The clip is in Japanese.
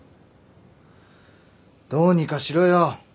どうにかしろよ。